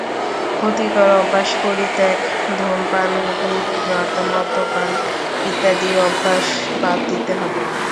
ক্ষতিকর অভ্যাস পরিত্যাগ—ধূমপান, গুল, জর্দা, মদ্যপান ইত্যাদি অভ্যাস বাদ দিতে হবে।